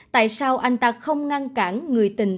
tại sao anh ta không ngăn cản người tình